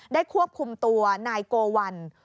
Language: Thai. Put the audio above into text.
ควบคุมตัวนายโกวัล